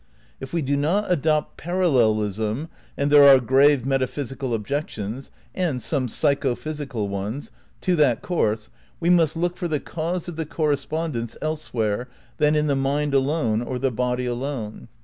If we do not adopt parallelism, and there are grave metaphysical objections (and some psycho physical ones) to that course, we must look for the cause of the correspondence elsewhere than in the mind alone or the body alone.